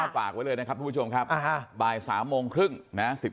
ฝากไว้เลยนะครับนะครับผู้ชมครับ